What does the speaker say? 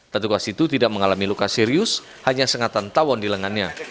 petugas itu tidak mengalami luka serius hanya sengatan tawon di lengannya